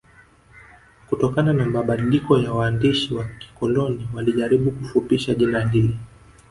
Kutokana na mabadiliko ya waandishi wa kikoloni walijaribu kufupisha jina lile